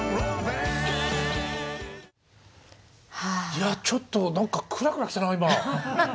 いやちょっと何かクラクラ来たな今。